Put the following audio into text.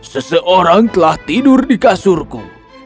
seseorang telah tidur di kasurku